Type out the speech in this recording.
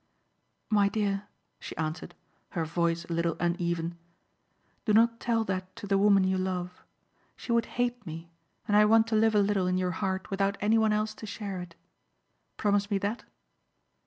"My dear," she answered, her voice a little uneven, "do not tell that to the woman you love. She would hate me and I want to live a little in your heart without anyone else to share it. Promise me that?"